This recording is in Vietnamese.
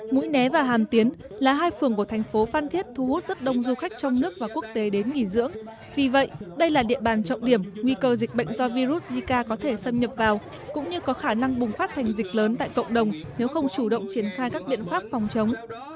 mũi né và hàm tiến là hai phường của thành phố phan thiết thu hút rất đông du khách trong nước và quốc tế đến nghỉ dưỡng vì vậy đây là địa bàn trọng điểm nguy cơ dịch bệnh do virus zika có thể xâm nhập vào cũng như có khả năng bùng phát thành dịch lớn tại cộng đồng nếu không chủ động triển khai các biện pháp phòng chống